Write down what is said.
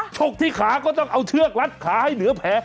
ชกที่ขาก็ต้องเอาเชือกรัดขาให้เหลือแผล